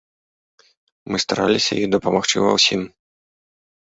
Мы стараліся ёй дапамагчы ва ўсім.